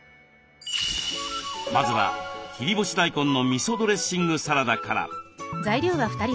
まずは切り干し大根のみそドレッシングサラダから。